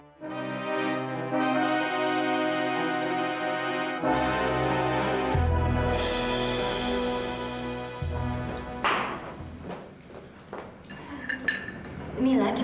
iya itu kak fadil